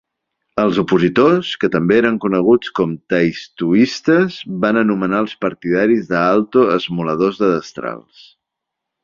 Els opositors, que també eren coneguts com "taistoïstes", van anomenar els partidaris d'Aalto "esmoladors de destrals".